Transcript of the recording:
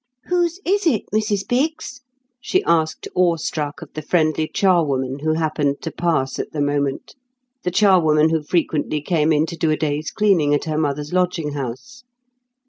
"Whose is it, Mrs Biggs?" she asked awe struck of the friendly charwoman, who happened to pass at the moment—the charwoman who frequently came in to do a day's cleaning at her mother's lodging house.